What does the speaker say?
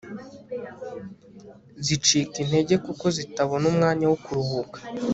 zicika intege kuko zitabona umwanya wo kuruhuka